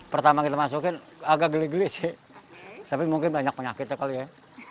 pertama kita masukin agak geli geli sih tapi mungkin banyak penyakitnya kali ya